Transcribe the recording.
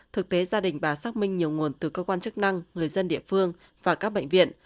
thực tế gia đình bà xác minh nhiều nguồn từ cơ quan chức năng người dân địa phương và các bệnh viện